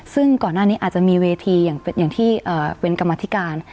ซึ่งก่อนหน้านี้อาจจะมีเวทีอย่างที่เป็นกรรมธิการ